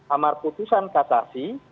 amar putusan kasasi